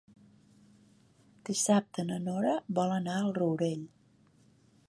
Dissabte na Nora vol anar al Rourell.